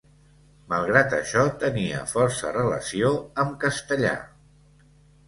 Malgrat això tenia força relació amb Castellar.